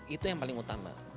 itu yang paling utama